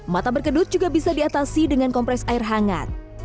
mata berkedut juga bisa diatasi dengan kompres air hangat